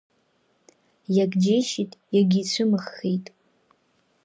Иагьџьеишьеит, иагьицәымыӷхеит.